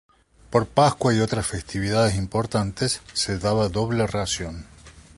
Por Pascua y otras festividades importantes, se daba doble ración.